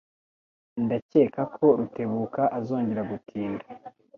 Ndakeka ko Rutebuka azongera gutinda.